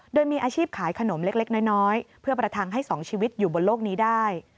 โดยมีอาชีพขายขนมเล็กน้อยเพื่อประทังให้๒ชีวิตอยู่บนโลกนี้ได้